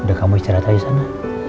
sudah kamu istirahat aja sana